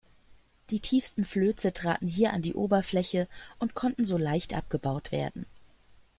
Die tiefsten Flöze traten hier an die Oberfläche und konnten so leicht abgebaut werden.